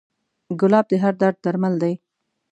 ګلاب د هر درد درمل دی.